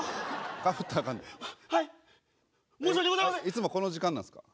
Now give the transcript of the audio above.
いつもこの時間なんですか？